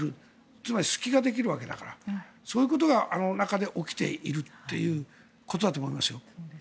つまり隙ができるわけでそういうことが、あの中で起きているということだと。